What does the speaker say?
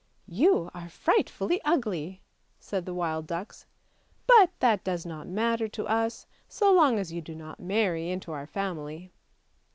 " You are frightfully ugly," said the wild ducks, " but that does not matter to us, so long as you do not marry into our family